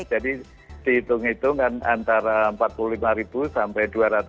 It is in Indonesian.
jadi dihitung hitung kan antara empat puluh lima sampai dua ratus an